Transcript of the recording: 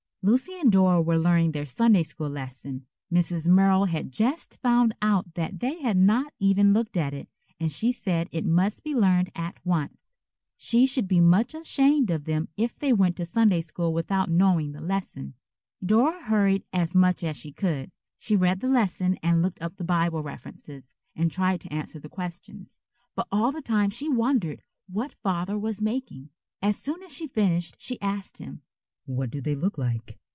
Lucy and Dora were learning their Sunday school lesson. Mrs. Merrill had just found out that they had not even looked at it, and she said it must be learned at once. She should be much ashamed of them if they went to Sunday school without knowing the lesson. Dora hurried as much as she could. She read the lesson and looked up the Bible references and tried to answer the questions. But all the time she wondered what Father was making. As soon as she finished she asked him. "What do they look like?"